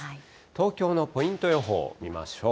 東京のポイント予報見ましょう。